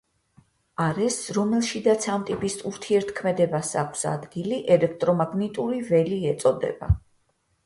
არეს, რომელშიდაც ამ ტიპის ურთიერთქმედებას აქვს ადგილი ელექტრომაგნიტური ველი ეწოდება.